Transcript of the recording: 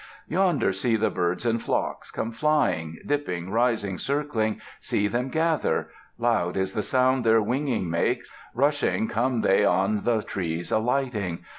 Yonder see the birds in flocks, come flying; Dipping, rising, circling, see them gather. Loud is the sound their winging makes. Rushing, come they on the trees alighting.